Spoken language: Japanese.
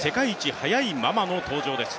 速いママの登場です。